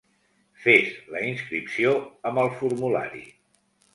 Fes la inscripció amb el formulari.